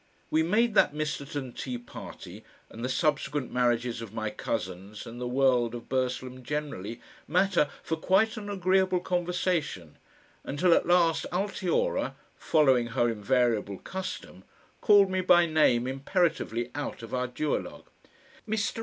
We made that Misterton tea party and the subsequent marriages of my cousins and the world of Burslem generally, matter for quite an agreeable conversation until at last Altiora, following her invariable custom, called me by name imperatively out of our duologue. "Mr.